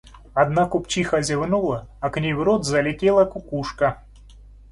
Одна купчиха зевнула, а к ней в рот залетела кукушка.